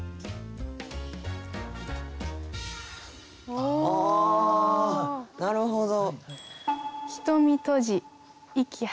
ああなるほど。